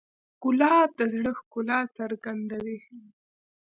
ګلاب د زړه ښکلا څرګندوي.